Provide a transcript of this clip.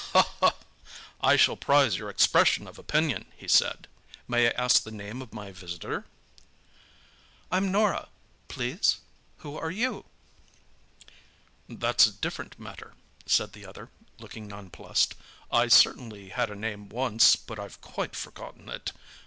"I shall prize your expression of opinion," he said. "May I ask the name of my visitor?" "I'm Norah. Please who are you?" "That's a different matter," said the other, looking nonplussed. "I certainly had a name once, but I've quite forgotten it.